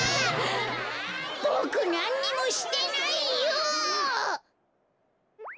ボクなんにもしてないよ！